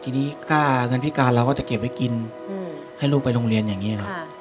ทีนี้ค่าเงินพิการเราก็จะเก็บไว้กินให้ลูกไปโรงเรียนอย่างนี้ครับ